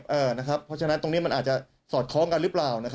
เพราะฉะนั้นตรงนี้มันอาจจะสอดคล้องกันหรือเปล่า